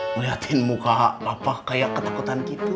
ngeliatin muka apa kayak ketakutan gitu